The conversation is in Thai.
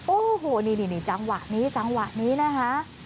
โอ้โฮนี่จังหวะนี้นะฮะ